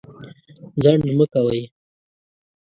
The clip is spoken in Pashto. ځنډ مه کوئ.